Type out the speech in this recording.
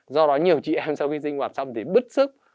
do đó nhiều chị em sau khi sinh hoạt xong thì bứt sức